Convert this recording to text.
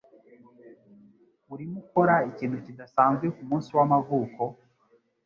Urimo ukora ikintu kidasanzwe kumunsi wamavuko?